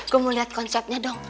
gue mau lihat konsepnya dong